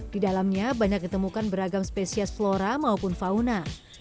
di dalamnya banyak ditemukan beragam spesies flora maupun fauna